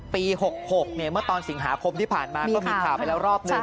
ปี๖๖เมื่อตอนสิงหาคมที่ผ่านมาก็มีข่าวไปแล้วรอบหนึ่ง